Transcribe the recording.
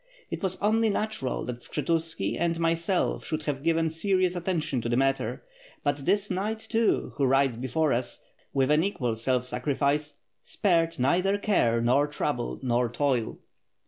It was only natural that Skshetuski and myself should have given serious attention to the matter, but this knight too, who rides before us, with an equal self sacrifice, spared neither care nor trouble nor toil."